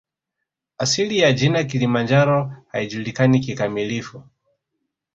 Asili ya jina Kilimanjaro haijulikani kikamilifu